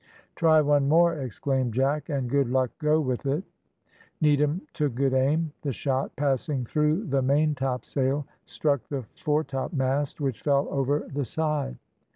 "Try one more," exclaimed Jack, "and good luck go with it." Needham took good aim: the shot, passing through the maintopsail, struck the foretopmast, which fell over the side.